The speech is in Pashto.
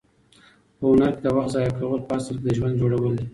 په هنر کې د وخت ضایع کول په اصل کې د ژوند جوړول دي.